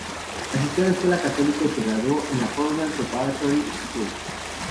Asistió a la escuela católica y se graduó en la Fordham Preparatory School.